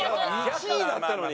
１位だったのに？